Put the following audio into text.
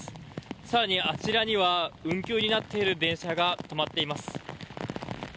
更にあちらには運休になっている電車が止まっています。